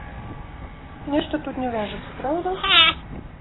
Нешта тут не вяжацца, праўда?